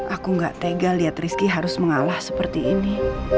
aku gak tega lihat rizky harus mengalah seperti ini